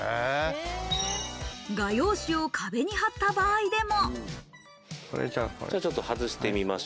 画用紙を壁にはった場合でも。